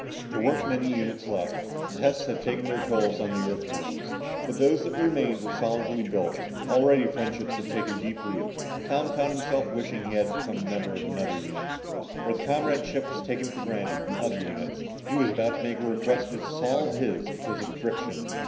There weren't many units left. The tests had taken a toll of the Earthworms. But those that remained were solidly built. Already friendships had taken deep root. Tom found himself wishing he had become a member of another unit. Where the comradeship was taken for granted in other units, he was about to make a request to dissolve his because of friction.